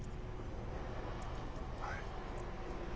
はい。